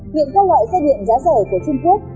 hiện các loại xe điện giá rẻ của trung quốc